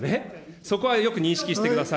そこはよく認識してください。